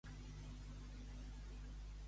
Sobre quins professionals parla, en concret?